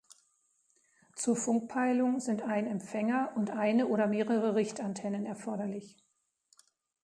Zur Funkpeilung sind ein Empfänger und eine oder mehrere Richtantennen erforderlich.